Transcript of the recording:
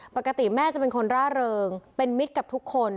ปกติแม่จะเป็นคนร่าเริงเป็นมิตรกับทุกคน